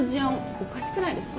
おかしくないですか？